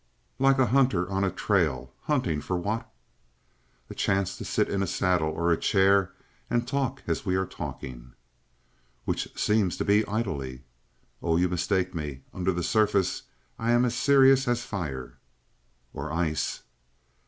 "Like a hunter on a trail. Hunting for what?" "A chance to sit in a saddle or a chair and talk as we are talking." "Which seems to be idly." "Oh, you mistake me. Under the surface I am as serious as fire." "Or ice."